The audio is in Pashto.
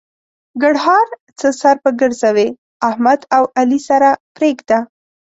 ګړهار: څه سر په ګرځوې؛ احمد او علي سره پرېږده.